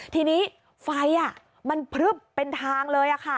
ทีนี้ไฟอะมันพลึบเป็นทางเลยอะค่ะ